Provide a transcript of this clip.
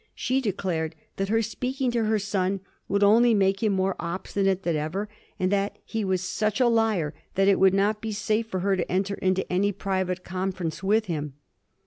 She declared that her speaking to her son would only make him more obstinate than ever, and that he was such a liar that it would not be safe for her to enter into any private conference with him.